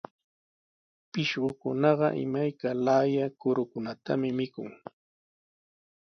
Pishqukunaqa imayka laaya kurukunatami mikun.